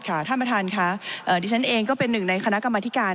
ท่านประธานค่ะดิฉันเองก็เป็นหนึ่งในคณะกรรมธิการ